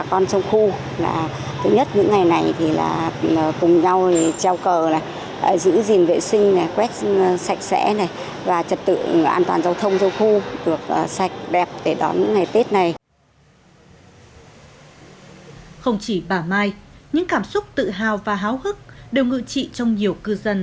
không chỉ bà mai những cảm xúc tự hào và háo hức đều ngự trị trong nhiều cư dân